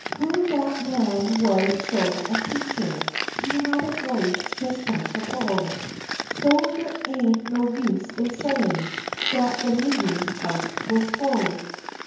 Fu' dat man wuz sho a preacher; had a voice jes like a bull; So der ain't no use in sayin' dat de meetin' house wuz full.